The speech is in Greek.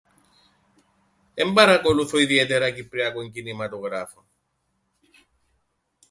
Εν παρακολουθώ ιδιαίτερα κυπριακόν κινηματογράφον.